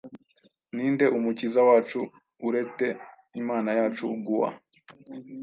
Ninde Umukiza wacu urete imana yacu gua